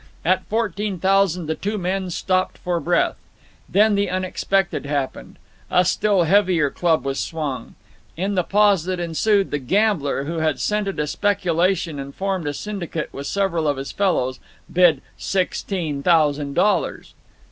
At fourteen thousand the two men stopped for breath. Then the unexpected happened. A still heavier club was swung. In the pause that ensued, the gambler, who had scented a speculation and formed a syndicate with several of his fellows, bid sixteen thousand dollars.